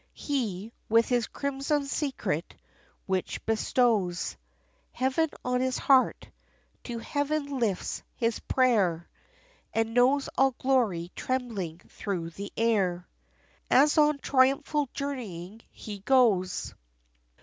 He, with his crimson secret, which bestows Heaven on his heart, to Heaven lifts his prayer, And knows all glory trembling through the air As on triumphal journeying he goes.